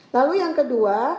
lalu yang kedua